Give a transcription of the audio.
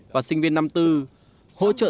và sinh viên năm bốn hỗ trợ